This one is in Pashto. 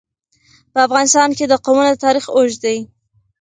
په افغانستان کې د قومونه تاریخ اوږد دی.